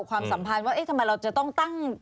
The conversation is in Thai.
ความสัมพันธ์ว่าเอ๊ะทำไมเราจะต้องตั้ง